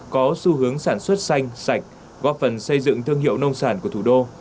có xu hướng sản xuất xanh sạch góp phần xây dựng thương hiệu nông sản của thủ đô